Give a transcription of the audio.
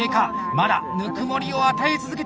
まだぬくもりを与え続けている！